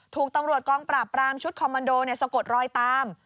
ถูกตำรวจกองปราบปรามชุดคอมมันโดสะกดรอยตาม